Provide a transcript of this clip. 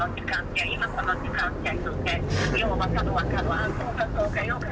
ああそうかそうか。